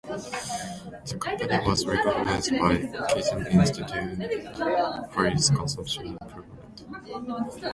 The company was recognized by Kaizen Institute for its continuous improvement.